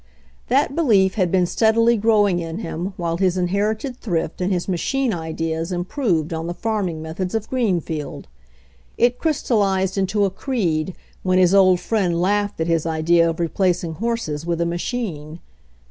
That belief had been steadily growing in him while his inherited thrift and his machine ideas improved on the farming methods of Greenfield ; it crystallized into a creed when his old friend laughed at his idea of replacing horses with a machine.